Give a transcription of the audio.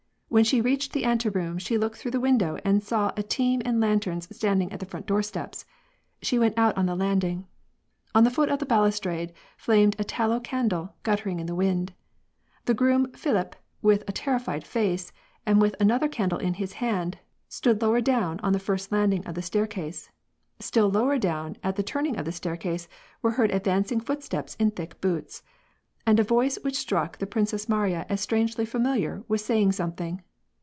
When she reached the anteroom she looked through the window and saw a team and lanterns standing at the front doorsteps. She went out on the landing. On the foot of the balustrade flamed a tallow candle, guttering in the wind. The groom Filipp, with terri fied face, and with another candle in his hand, stood lower down on the first landing of the staircase. Still lower down at the turning of the staircase were heard advancing footsteps in thick boots. And a voice which struck the Princess Mariya as strangely familiar, was saying something.